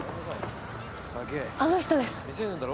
あの人です。